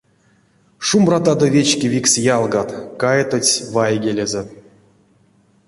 «Шумбратадо, вечкевикс ялгат!» — каятотсь вайгелезэ.